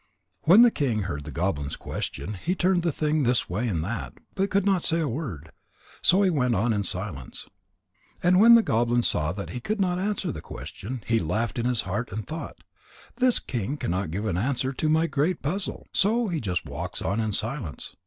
When the king heard the goblin's question, he turned the thing this way and that, but could not say a word. So he went on in silence. And when the goblin saw that he could not answer the question, he laughed in his heart and thought: "This king cannot give an answer to my Great Puzzle. So he just walks on in silence.